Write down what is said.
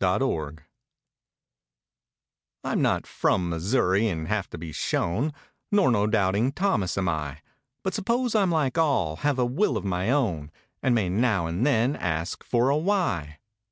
"SHOW ME" I'm not "from Missouri" and have to be shown; Nor no doubting Thomas am I; But, suppose I'm like all—have a will of my own— And may now and then ask for a "Why."